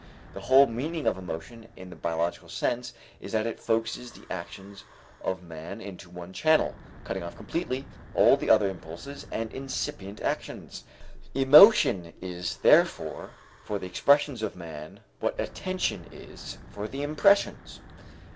The whole meaning of emotion in the biological sense is that it focuses the actions of man into one channel, cutting off completely all the other impulses and incipient actions. Emotion is therefore for the expressions of man what attention is for the impressions.